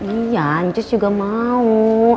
iya cus juga mau